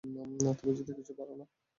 তুমি কিছুই পারোনা।